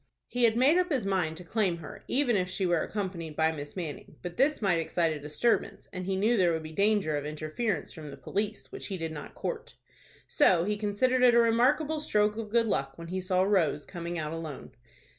He had made up his mind to claim her, even if she were accompanied by Miss Manning; but this might excite a disturbance, and he knew there would be danger of interference from the police, which he did not court. So he considered it a remarkable stroke of good luck when he saw Rose coming out alone.